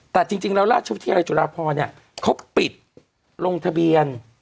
แต่จริงแล้วราชวิทยาลัยจุฬาพรเนี่ยเขาปิดลงทะเบียน